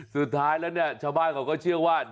สุดท้ายแล้วเนี่ยชาวบ้านเขาก็เชื่อว่า